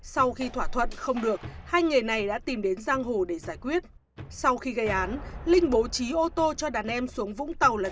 sau khi thỏa thuận không được hai người này đã tìm đến giang hồ để giải quyết sau khi gây án linh bố trí ô tô cho đàn em xuống vũng tàu làm